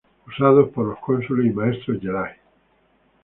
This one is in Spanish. Usado por los cónsules y maestros "Jedi".